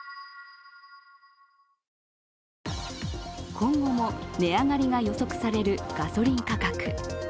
今後も値上がりが予測されるガソリン価格。